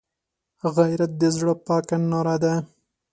غیرت د زړه پاکه ناره ده